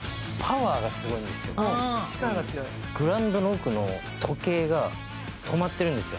グラウンドの奥の時計が止まってるんですよ。